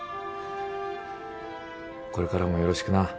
これからもよろしくな。